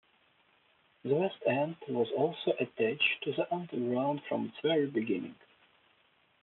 The Westend was also attached to the underground from its very beginning.